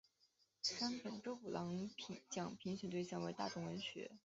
山本周五郎奖评选对象为大众文学。